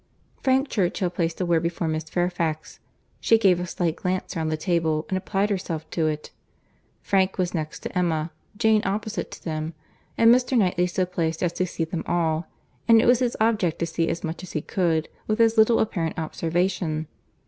Frank Churchill placed a word before Miss Fairfax. She gave a slight glance round the table, and applied herself to it. Frank was next to Emma, Jane opposite to them—and Mr. Knightley so placed as to see them all; and it was his object to see as much as he could, with as little apparent observation.